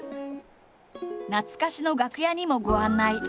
懐かしの楽屋にもご案内。